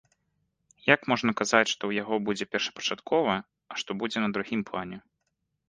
Як можна казаць, што ў яго будзе першапачаткова, а што будзе на другім плане?